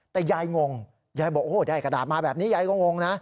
แต่ยายงยายบอกโอ้โหได้กระดาษมาแบบนี้ยายก็งงนะ